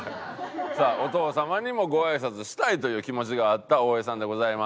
さあお父様にもごあいさつしたいという気持ちがあった大江さんでございます。